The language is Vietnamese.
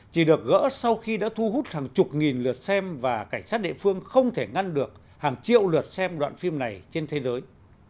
chỉ được gỡ sau khi đã thu hút hàng chục nghìn lượt xem và cảnh sát địa phương không thể ngăn được hàng triệu lượt xem đoạn phim này trên thế giới